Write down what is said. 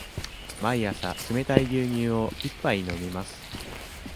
毎朝冷たい牛乳を一杯飲みます。